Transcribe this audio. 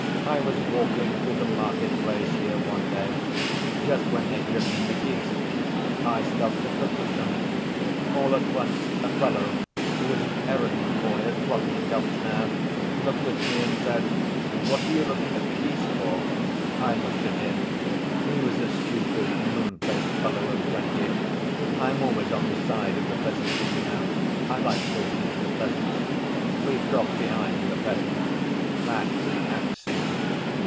"I was walking through the market‐place here one day, just when they'd driven in the geese. I stopped and looked at them. All at once a fellow, who is an errand‐boy at Plotnikov's now, looked at me and said, 'What are you looking at the geese for?' I looked at him; he was a stupid, moon‐faced fellow of twenty. I am always on the side of the peasantry, you know. I like talking to the peasants.... We've dropped behind the peasants—that's an axiom.